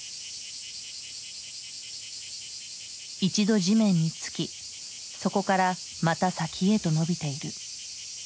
一度地面につきそこからまた先へと伸びている。